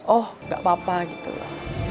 oh tidak apa apa